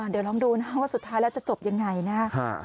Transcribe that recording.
เดี๋ยวลองดูนะว่าสุดท้ายแล้วจะจบยังไงนะครับ